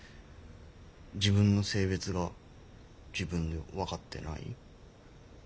自分の性別が自分で分かってない。